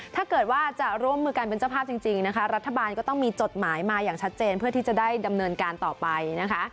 ถ้าเกิดว่าจะร่วมมือกันเป็นเจ้าภาพจริงนะคะรัฐบาลก็ต้องมีจดหมายมาอย่างชัดเจนเพื่อที่จะได้ดำเนินการต่อไปนะคะ